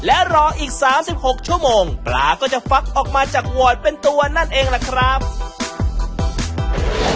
และรออีก๓๖ชั่วโมงปลาก็จะฟักออกมาจากวอร์ดเป็นตัวนั่นเองล่ะครับ